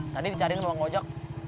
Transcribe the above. tadi dicariin emang ngojek